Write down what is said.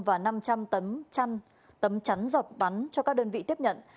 và năm trăm linh tấm chắn giọt bắn cho các đơn vị tiếp nhận